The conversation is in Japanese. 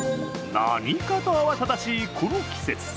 何かと慌ただしいこの季節。